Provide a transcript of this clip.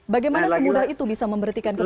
bagaimana semudah itu bisa memberitikan kepala daerah